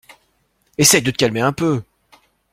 Essaie de te calmer un peu!